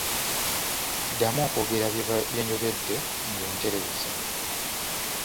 Ddamu okwogera bye njogedde nga ontereeza.